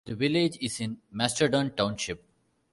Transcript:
The village is in Mastodon Township.